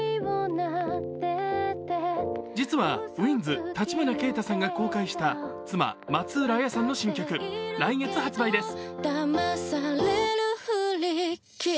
実はｗ−ｉｎｄｓ．橘慶太さんが公開した妻・松浦亜弥さんの新曲来月発売です。